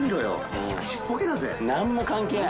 何も関係ない。